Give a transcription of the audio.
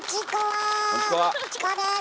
チコです！